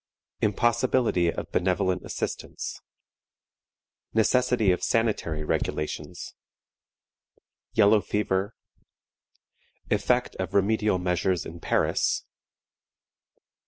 Impossibility of benevolent Assistance. Necessity of sanitary Regulations. Yellow Fever. Effect of remedial Measures in Paris.